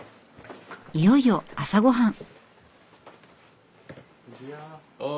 いよいよ朝ごはん。